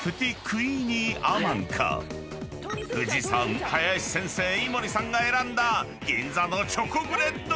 ［藤さん林先生井森さんが選んだ銀座のチョコブレッドか］